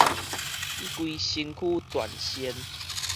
伊規身軀全鉎